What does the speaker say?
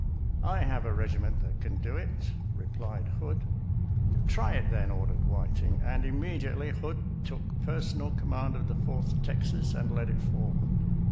" I have a regiment that can do it," replied Hood. FOURTH TEXAS AT GAINES' MILLS 299 " Try it then," ordered Whiting, and imme diately Hood took pergonal command of the Fourth Texas and led it forward.